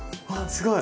すごい！